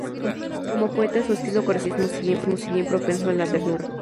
Como poeta, su estilo corresponde al realismo, si bien propenso a la ternura.